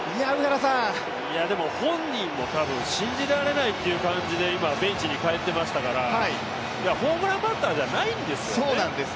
でも、本人も多分信じられないという感じで今ベンチに帰ってましたからホームランバッターじゃないんですよね。